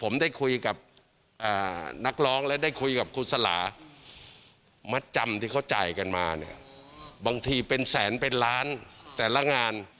มัดจำที่เขาจ่ายกันมาบางทีเป็นแสนเป็นล้านแต่ละงาน